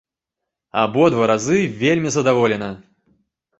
Абодва разы вельмі задаволена!